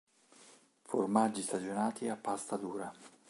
Formaggi stagionati a pasta dura.